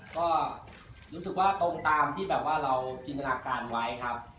ก็รู้สึกว่าตรงตามที่แบบว่าเราจินตนาการไว้ครับ